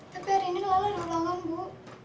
tapi hari ini lalu ada ulangan bu